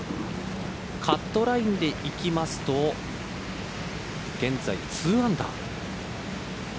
カットラインでいきますと現在２アンダー。